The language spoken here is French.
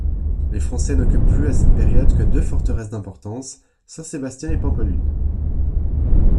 Les Français n'occupent plus à cette période que deux forteresses d'importance, Saint-Sébastien et Pampelune.